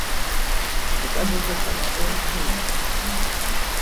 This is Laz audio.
Ç̌ut̆a bozo ǩala oroperi t̆es.